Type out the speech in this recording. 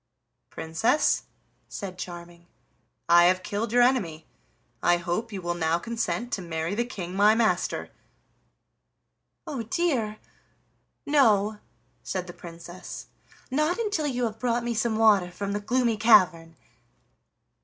"Princess," said Charming, "I have killed your enemy; I hope you will now consent to marry the King my master." "Oh dear! no," said the Princess, "not until you have brought me some water from the Gloomy Cavern.